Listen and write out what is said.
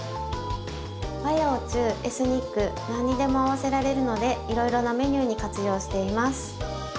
和洋中エスニック何にでも合わせられるのでいろいろなメニューに活用しています。